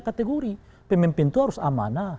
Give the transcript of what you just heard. kategori pemimpin itu harus amanah